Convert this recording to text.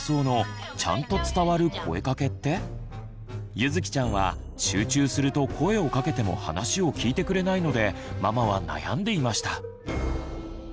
ゆづきちゃんは集中すると声をかけても話を聞いてくれないのでママは悩んでいました。